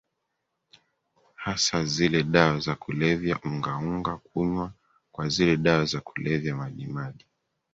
hasa zile dawa za kulevya ungaunga kunywa kwa zile dawa za kulevya majimaji